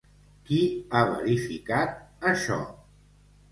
Qui ha verificat això?